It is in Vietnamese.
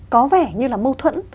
có vẻ như là mâu thuẫn